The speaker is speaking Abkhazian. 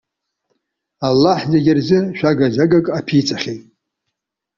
Аллаҳ зегьы рзы шәага-загак аԥиҵахьеит.